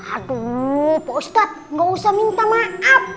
aduh pak ustadz gausah minta maaf